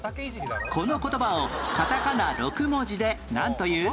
この言葉をカタカナ６文字でなんという？